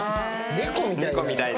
猫みたい。